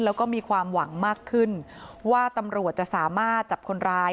แล้วก็มีความหวังมากขึ้นว่าตำรวจจะสามารถจับคนร้าย